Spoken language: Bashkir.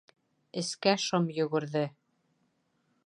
Эскә шом йүгерҙе.